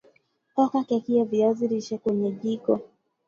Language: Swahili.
Oka keki ya viazi lishe kwenye jiko